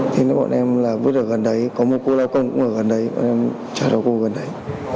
thế nên bọn em là vứt ở gần đấy có một cô lao công cũng ở gần đấy bọn em trả lời cô gần đấy